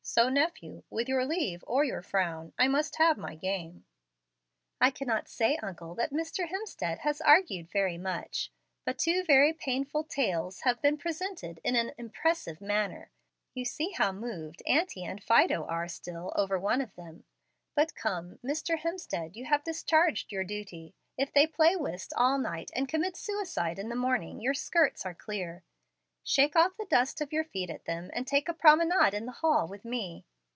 So, nephew, with your leave or your frown, I must have my game." "I cannot say, uncle, that Mr. Hemstead has argued very much, but two very painful TALES have been presented in an imPRESSIVE manner. You see how moved auntie and Fido are still over one of them. But come, Mr. Hemstead, you have discharged your duty. If they play whist all night and commit suicide in the morning, your skirts are clear. Shake off the dust of your feet at them, and take a promenade in the hall with me.